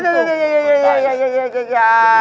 ยัย